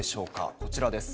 こちらです。